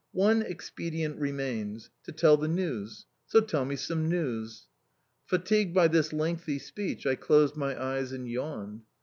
One expedient remains to tell the news. So tell me some news." Fatigued by this lengthy speech, I closed my eyes and yawned.